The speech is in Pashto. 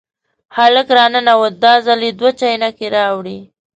هلک را ننوت، دا ځل یې دوه چاینکې راوړې.